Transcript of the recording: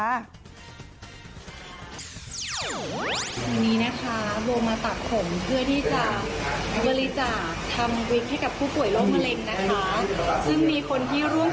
วันนี้นะคะโรงมาตัดผงเพื่อที่จะเวริจาค